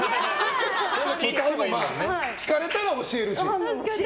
聞かれたら教えるし。